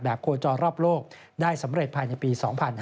โคจรรอบโลกได้สำเร็จภายในปี๒๕๕๙